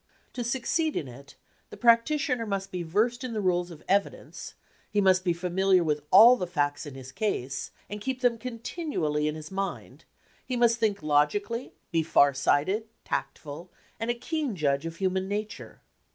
To suc ceed in it the practitioner must be versed in the 226 THE CROSS EXAMINER rules of evidence ; he must be familiar with all the facts in his case, and keep them continually in his mind ; he must think logically, be far sighted, tactful, and a keen judge of human nature.